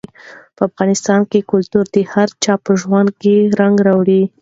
په افغانستان کې کلتور د هر چا په ژوند کې رنګ راوړي.